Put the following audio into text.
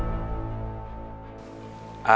ini tidak kalah istimewa